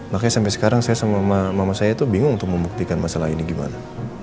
makanya sampai sekarang saya sama mama saya itu bingung untuk membuktikan masalah ini gimana